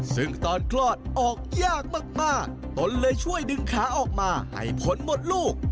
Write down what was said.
ซึ่งตอนคลอดออกยากมากตนเลยช่วยดึงขาออกมาให้ผลหมดลูก